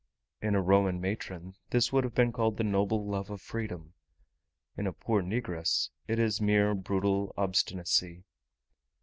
In a Roman matron this would have been called the noble love of freedom: in a poor negress it is mere brutal obstinacy.